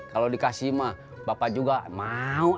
kalau dikasih mah bapak juga mau